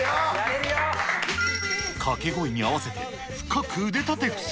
掛け声に合わせて深く腕立て伏せ。